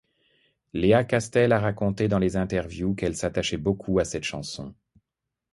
Léa Castel a raconté dans les interviews qu'elle s'attachait beaucoup à cette chanson.